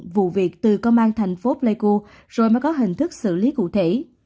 vụ việc từ công an thành phố pleiku rồi mới có hình thức xử lý cụ thể